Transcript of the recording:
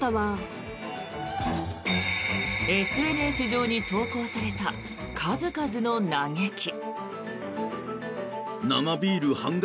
ＳＮＳ上に投稿された数々の嘆き。